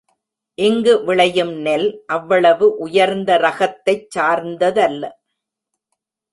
இங்கு விளையும் நெல் அவ்வளவு உயர்ந்த ரகத்தைச் சார்ந்ததல்ல.